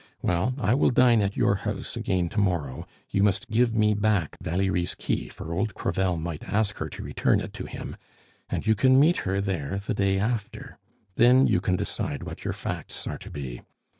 "Well, I will dine at your house again to morrow; you must give me back Valerie's key, for old Crevel might ask her to return it to him, and you can meet her there the day after; then you can decide what your facts are to be.